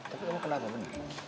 tapi kamu kenapa benar